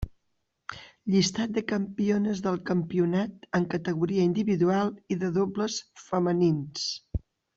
Llistat de campiones del campionat en categoria individual i de dobles femenins.